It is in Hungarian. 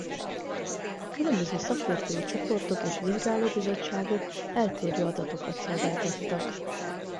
A különböző szakértői csoportok és vizsgálóbizottságok eltérő adatokat szolgáltattak.